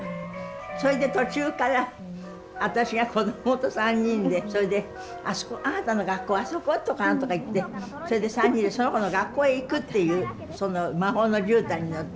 それで途中から私がこどもと３人でそれで「あそこあなたの学校あそこ？」とか何とか言ってそれで３人でその子の学校へ行くっていうその魔法のじゅうたんに乗って。